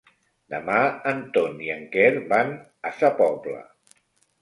Demà en Ton i en Quer van a Sa Pobla.